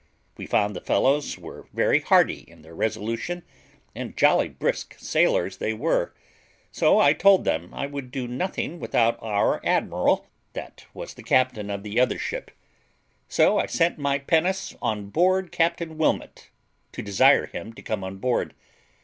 We found the fellows were very hearty in their resolution, and jolly brisk sailors they were; so I told them I would do nothing without our admiral, that was the captain of the other ship; so I sent my pinnace on board Captain Wilmot, to desire him to come on board.